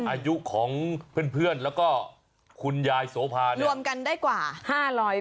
อายุของเพื่อนแล้วก็คุณยายสวพาเนี่ย